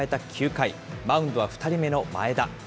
９回、マウンドは２人目の前田。